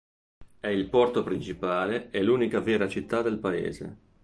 È il porto principale e l'unica vera città del Paese.